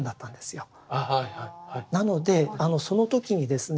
なのでその時にですね